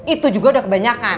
itu juga udah kebanyakan